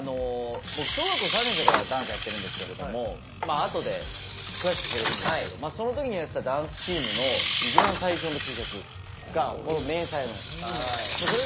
僕小学校３年生からダンスやってるんですけれどもあとで詳しく触れるんですけどそのときにやってたダンスチームのいちばん最初のＴシャツがこの迷彩の。